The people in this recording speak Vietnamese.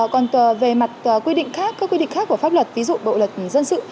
còn về mặt quy định khác các quy định khác của pháp luật ví dụ bộ luật dân sự